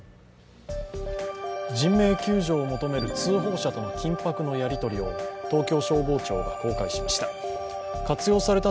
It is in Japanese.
人命救助を求める通報者との緊迫のやりとりを東京消防庁が公開しました。